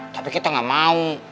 tapi kita gak mau